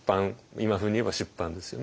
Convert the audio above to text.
今風に言えば出版ですよね。